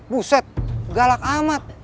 buset galak amat